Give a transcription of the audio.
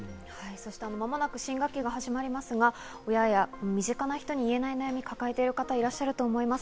間もなく新学期が始まりますが、親や身近な人に言えない悩みを抱えている人がいらっしゃると思います。